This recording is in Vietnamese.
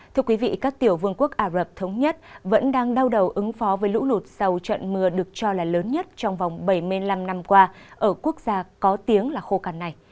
thưa quý vị các tiểu vương quốc ả rập thống nhất vẫn đang đau đầu ứng phó với lũ lụt sau trận mưa được cho là lớn nhất trong vòng bảy mươi năm năm qua ở quốc gia có tiếng là khô cằn này